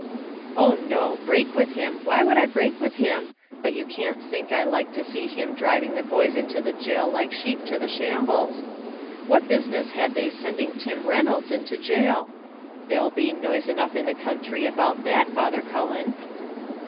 "Oh no; break with him! why would I break with him? But you can't think I like to see him dhriving the boys into the gaol like sheep to the shambles. What business had they sending Tim Reynolds into gaol? There'll be noise enough in the counthry about that yet, Father Cullen."